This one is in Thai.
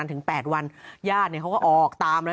ถึงแปดวันญาติเนี่ยเขาก็ออกตามแล้ว